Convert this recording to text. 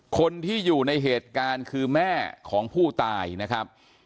คนที่อยู่ในเหตุการณ์คือแม่ของผู้ตายนะครับ